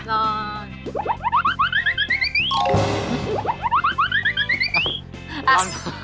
ร่อน